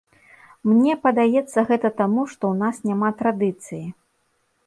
Мне падаецца гэта таму, што ў нас няма традыцыі.